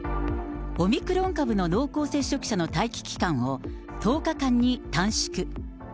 オミクロン株の濃厚接触者の待機期間を、１０日間に短縮。